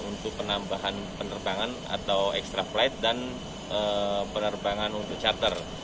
untuk penambahan penerbangan atau extra flight dan penerbangan untuk charter